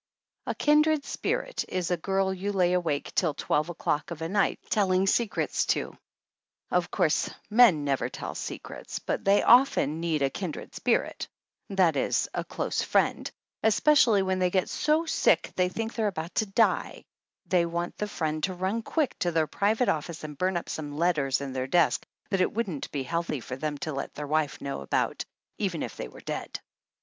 A kindred spirit is a girl you lay awake till twelve o'clock of a night telling secrets to. Of course men never tell secrets, but they often need a kindred spirit, that is, a close friend, especially when they get so sick they think they're about to die they want the friend to run quick to their private office and burn up some letters in their desk that it wouldn't be healthy for them to let their wife know about, even if they were dead.